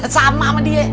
sama sama dia